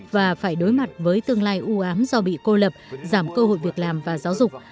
và phải đối mặt với tương lai ưu ám do bị cô lập giảm cơ hội việc làm và giáo dục